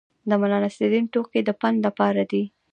د ملانصرالدین ټوکې د پند لپاره دي.